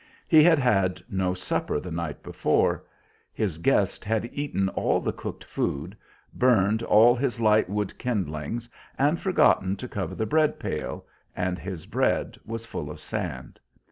He had had no supper the night before; his guest had eaten all the cooked food, burned all his light wood kindlings, and forgotten to cover the bread pail, and his bread was full of sand.